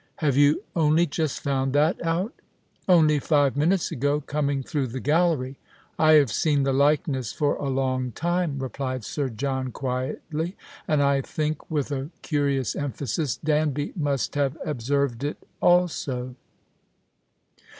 " Have you only just found that out ?"" Only five minutes ago, coming through the gallery." " I have seen the likeness for a long time," rej^lied Sir John, quietly, " and I think "— with a curious emphasis —" Danby must have observed it also."